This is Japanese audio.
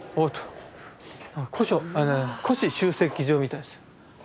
古紙集積所みたいです。